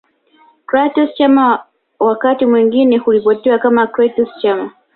Clatous Chama wakati mwingine huripotiwa kama Cletus Chama